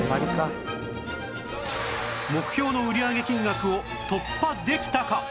目標の売上金額を突破できたか！？